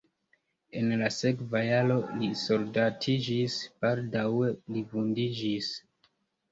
En la sekva jaro li soldatiĝis, baldaŭe li vundiĝis.